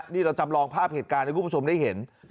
นี่เราจำลองภาพเหตุการณ์ให้คุณผู้ชมได้เห็น